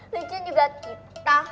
lucunya juga kita